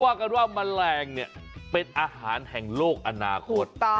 ว่ากันว่าแมลงเนี่ยเป็นอาหารแห่งโลกอนาคต